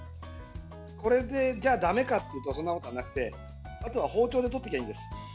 これで、だめかというとそんなことはなくてあとは包丁で取っちゃえばいいです。